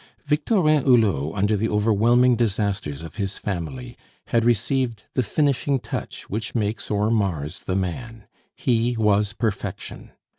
Victorin Hulot, under the overwhelming disasters of his family, had received the finishing touch which makes or mars the man. He was perfection.